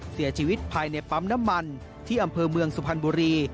เสียชีวิตภายในปั๊มน้ำมันที่อำเภอเมืองสุพรรณบุรี